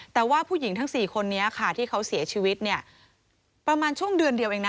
แต่ว่าผู้หญิงทั้ง๔คนนี้ค่ะที่เขาเสียชีวิตเนี่ยประมาณช่วงเดือนเดียวเองนะ